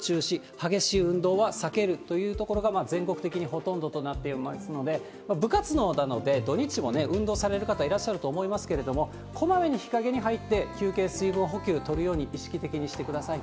激しい運動は避けるという所が、全国的にほとんどとなっておりますので、部活動などで土日も運動される方いらっしゃると思いますけれども、こまめに日陰に入って、休憩、水分補給とるように意識的にしてください。